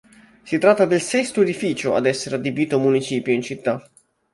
Si tratta del sesto edificio ad essere adibito a municipio in città.